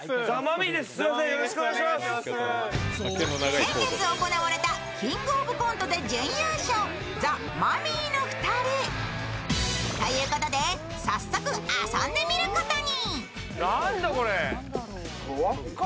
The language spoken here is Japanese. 先月行われた「キングオブコント」で準優勝ザ・マミィの２人。ということで早速遊んでみることに。